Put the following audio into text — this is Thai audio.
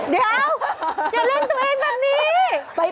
เดี๋ยวอย่าเล่นตัวเองแบบนี้